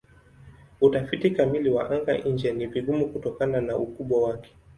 Utafiti kamili wa anga-nje ni vigumu kutokana na ukubwa wake.